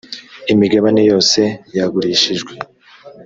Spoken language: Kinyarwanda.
imigabane yose yagurishijwe